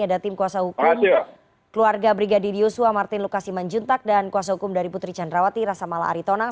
ada tim kuasa hukum keluarga brigadir yosua martin lukasiman juntak dan kuasa hukum dari putri candrawati rasa mala aritonang